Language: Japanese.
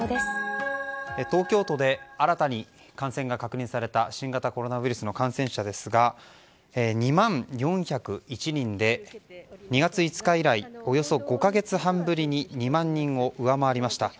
東京都で新たに感染が確認された新型コロナウイルスの感染者ですが２万４０１人で、２月５日以来およそ５か月半ぶりに２万人を上回りました。